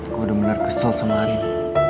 aku udah bener kesel sama arin